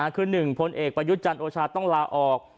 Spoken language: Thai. คือหนึ่งพลเอกประยุจรรย์โอชาติต้องลาออก